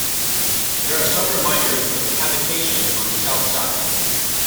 There are some reminders of habitation on the south side.